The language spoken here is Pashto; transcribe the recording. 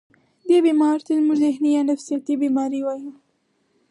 دې بيمارو ته مونږ ذهني يا نفسياتي بيمارۍ وايو